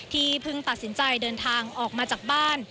เพิ่งตัดสินใจเดินทางออกมาจากบ้าน